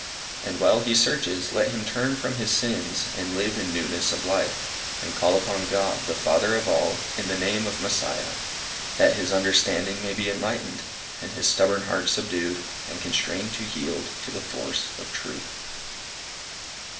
And, while he searches, let him turn from his sins, and live in newness of life, and call upon God, the Father of all, in the name of Messiah, that his understanding may be enlightened, and his stubborn heart subdued, and constrained to yield to the force of Truth.